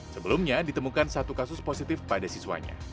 sebelumnya ditemukan satu kasus positif pada siswanya